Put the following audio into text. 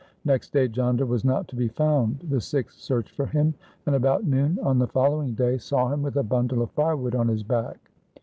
Next day Jhanda was not to be found. The Sikhs searched for him, and about noon on the following day saw him with a bundle of fire wood on his back.